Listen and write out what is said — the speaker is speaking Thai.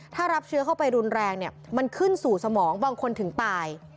ถ้ารับเชื้อเข้าไปรุนแรงเนี่ยมันขึ้นสู่สมองบางคนถึงตาย